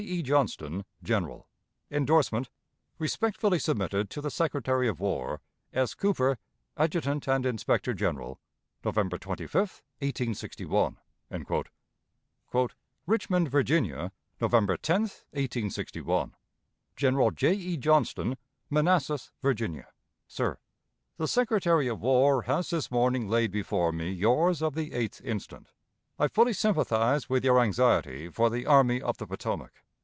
E. Johnston, General. "[Endorsement.] "Respectfully submitted to the Secretary of War: "S. Cooper, Adjutant and Inspector General. "November 25, 1861." "Richmond, Virginia, November 10, 1861. "General J. E. Johnston, Manassas, Virginia. "Sir: The Secretary of War has this morning laid before me yours of the 8th instant. I fully sympathize with your anxiety for the Army of the Potomac.